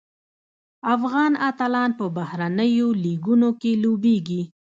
افغان اتلان په بهرنیو لیګونو کې لوبیږي.